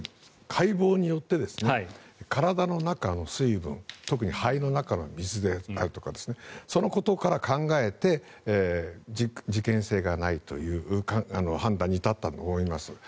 解剖によって体の中の水分特に肺の中の水であるとかそのことから考えて事件性がないという判断に至ったんだと思います。